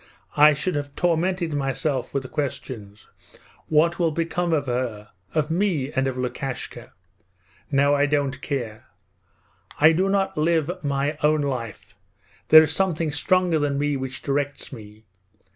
I should have tormented myself with the questions: What will become of her, of me, and of Lukashka? Now I don't care. I do not live my own life, there is something stronger than me which directs me.